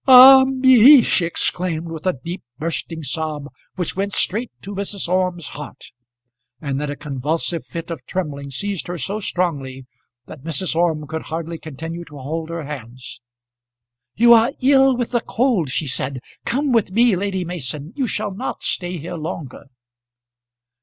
"Ah, me!" she exclaimed, with a deep bursting sob which went straight to Mrs. Orme's heart. And then a convulsive fit of trembling seized her so strongly that Mrs. Orme could hardly continue to hold her hands. "You are ill with the cold," she said. "Come with me, Lady Mason, you shall not stay here longer."